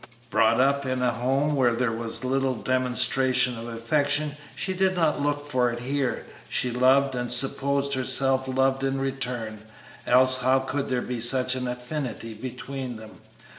Brought up in a home where there was little demonstration of affection, she did not look for it here; she loved and supposed herself loved in return, else how could there be such an affinity between them?